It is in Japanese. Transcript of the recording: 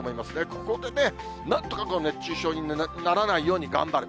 ここで、なんとか熱中症にならないように頑張る。